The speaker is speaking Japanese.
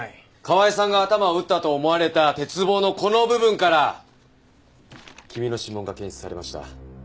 川井さんが頭を打ったと思われた鉄棒のこの部分から君の指紋が検出されました。